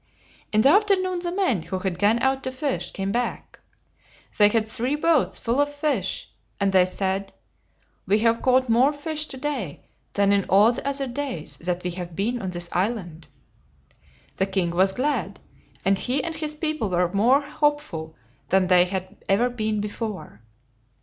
In the after noon the men who had gone out to fish came back. They had three boats full of fish, and they said, "We have caught more fish to day than in all the other days that we have been on this island." The king was glad, and he and his people were more hopeful than they had ever been before.